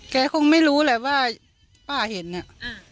คงไม่รู้แหละว่าป้าเห็นน่ะอ่า